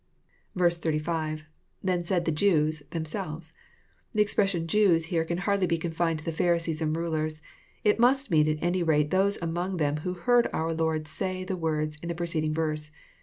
BB,—lT7ien said the Jeuj8.,.them8elv€8.'] The expression << Jews" here can hardly be confined to the Pharisees and rulers. It must mean at any rate those among them who heard our Lord say the words in the preceding verse.